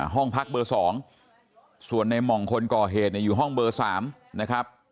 ห้องพักเบอร์๒ส่วนในหม่องคนก่อเหตุอยู่ห้องเบอร์๓นะครับ